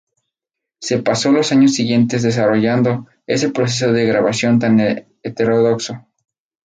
Se pasó los años siguientes desarrollando ese proceso de grabación tan heterodoxo.